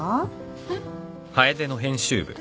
えっ？